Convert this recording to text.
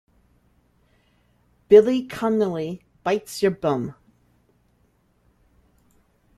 Billy Connolly Bites Yer Bum!